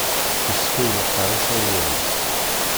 Yeskaw meqqar aserwal-is.